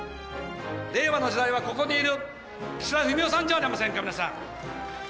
令和の時代は、ここにいる岸田文雄さんじゃありませんか、皆さん。